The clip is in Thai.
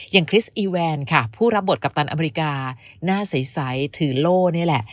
คริสอีแวนค่ะผู้รับบทกัปตันอเมริกาหน้าใสถือโล่นี่แหละ